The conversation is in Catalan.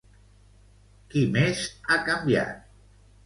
Qui més ha canviat?